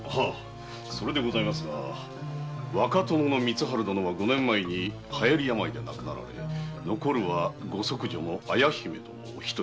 それが若殿の光春殿は五年前流行病で亡くなられ残るは御息女の綾姫お一人。